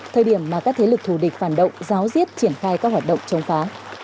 thời điểm mà các thế lực thù địch phản động giáo diết triển khai các hoạt động chống phá